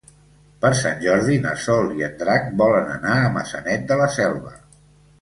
Per Sant Jordi na Sol i en Drac volen anar a Maçanet de la Selva.